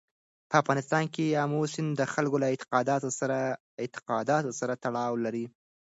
په افغانستان کې آمو سیند د خلکو له اعتقاداتو سره تړاو لري.